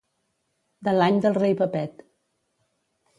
De l'any del rei Pepet.